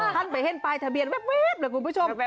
ท่านไปเห็นปลายทะเบียนแว๊บเลยคุณผู้ชม